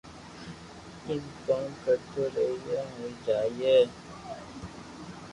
ايم ڪوم ڪرتو رھييي ھوئي جائي